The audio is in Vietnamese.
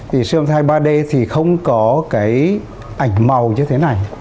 thì siêu âm thai ba d thì không có cái ảnh màu như thế này